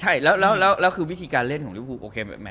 หมายถึงว่า